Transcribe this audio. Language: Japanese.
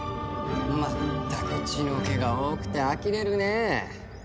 まったく血の気が多くてあきれるね。